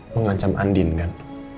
mengancam andin kan